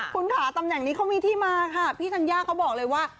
คุณค่ะตำแหน่งนี้เขามีที่มาค่ะพี่ธัญญาเขาบอกเลยว่า